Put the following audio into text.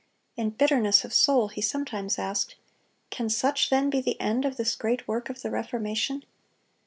In bitterness of soul he sometimes asked, "Can such then be the end of this great work of the Reformation?"